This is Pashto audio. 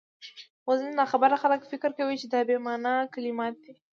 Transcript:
خو ځيني ناخبره خلک فکر کوي چي دا بې مانا کلمات دي،